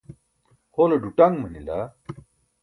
hole ḍuṭaṅ manila